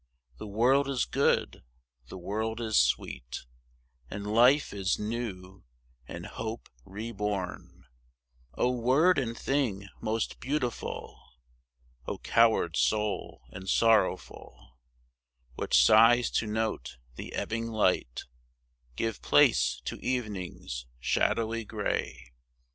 The world is good, the world is sweet, And life is new and hope re born. O, word and thing most beautiful! O coward soul and sorrowful, Which sighs to note the ebbing light Give place to evening's shadowy gray!